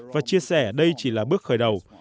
và chia sẻ đây chỉ là bước khởi đầu